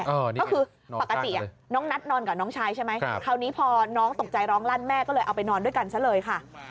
ก็คือปกติน้องนัทนอนกับน้องชายใช่ไหมคราวนี้พอน้องตกใจร้องลั่นแม่ก็เลยเอาไปนอนด้วยกันซะเลยค่ะ